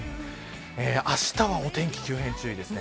あしたは、お天気急変注意です。